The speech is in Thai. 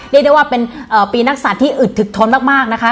เรียกได้ว่าเป็นปีนักศัตริย์ที่อึดถึกทนมากนะคะ